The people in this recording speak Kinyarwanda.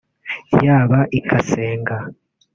yaba i Kasenga